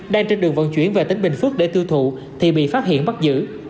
đang trên đường vận chuyển về tỉnh bình phước để tiêu thụ thì bị phát hiện bắt giữ